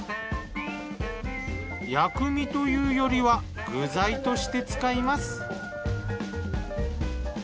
薬味というよりは具材として使います。